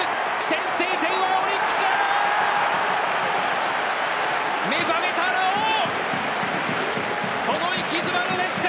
先制点はオリックス！